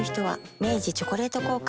明治「チョコレート効果」